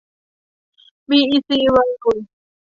บีอีซี เวิลด์